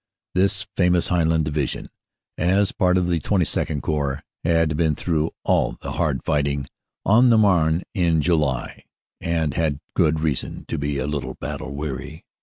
This famous Highland Division, as part of the XXII Corps, had been through all the hard righting on the Marne in July, and had good reason to be a little battle weary.